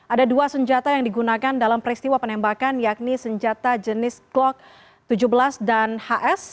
ada dua senjata yang digunakan dalam peristiwa penembakan yakni senjata jenis klok tujuh belas dan hs